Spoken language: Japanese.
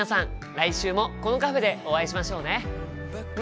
来週もこのカフェでお会いしましょうね。